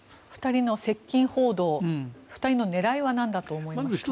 ２人の接近報道２人の狙いはなんだと思いますか？